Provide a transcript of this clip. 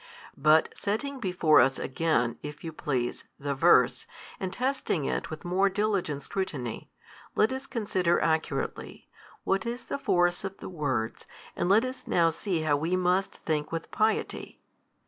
But setting before us again, if you please, the verse, and testing it with more diligent scrutiny, let us consider accurately, what is the force of the words and let us now see how we must think with piety.